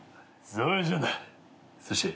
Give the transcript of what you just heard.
そして。